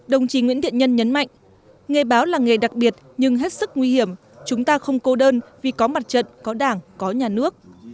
đồng chí nguyễn thiện nhân nhấn mạnh nghề báo là nghề đặc biệt nhưng hết sức nguy hiểm chúng ta không cô đơn vì có mặt trận có đảng có nhà nước